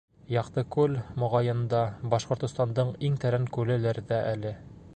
Яҡтыкүл, моғайын да, Башҡортостандың иң тәрән күлелер ҙә әле.